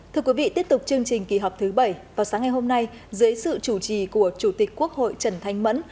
thưa quý vị tiếp tục chương trình kỳ họp thứ bảy vào sáng ngày hôm nay dưới sự chủ trì của chủ tịch quốc hội trần thanh mẫn